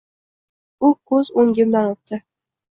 U ko‘z o‘ngimdan o‘tdi.